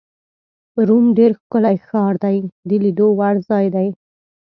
روم ډېر ښکلی ښار دی، د لیدو وړ ځای دی.